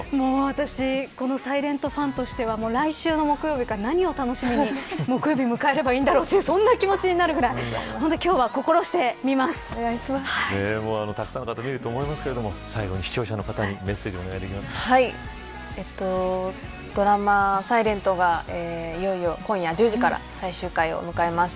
私ｓｉｌｅｎｔファンとしては来週の木曜日から何を楽しみに木曜日を迎えればいいんだろうという気持ちになるくらいたくさんの方が見ると思いますが最後に視聴者の方にドラマｓｉｌｅｎｔがいよいよ今夜１０時から最終回を迎えます。